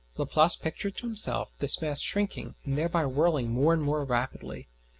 ] Laplace pictured to himself this mass shrinking and thereby whirling more and more rapidly.